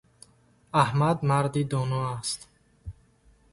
Аҳмад марди доно аст.